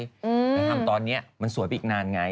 แต่ทำตอนนี้มันสวยไปอีกนานไง